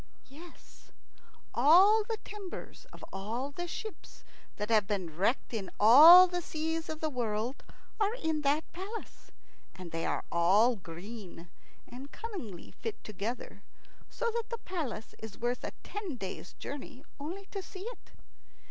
Yes, all the timbers of all the ships that have been wrecked in all the seas of the world are in that palace, and they are all green, and cunningly fitted together, so that the palace is worth a ten days' journey only to see it.